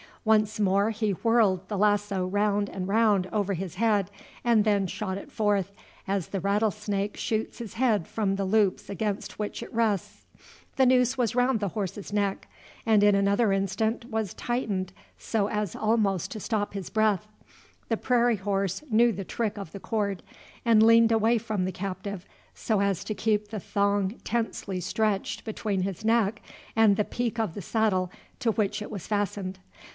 Once more he whirled the lasso round and round over his head, and then shot it forth, as the rattlesnake shoots his head from the loops against which it rests. The noose was round the horse's neck, and in another instant was tightened so as almost to stop his breath. The prairie horse knew the trick of the cord, and leaned away from the captive, so as to keep the thong tensely stretched between his neck and the peak of the saddle to which it was fastened.